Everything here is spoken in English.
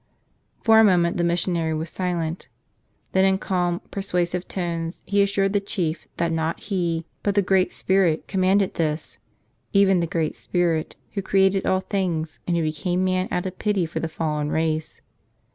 For a moment the missionary was silent. Then in calm, persuasive tones he assured the chief that not he, but the Great Spirit, commanded this, even the Great Spirit Who created all things and Who became man out of pity for the fallen race.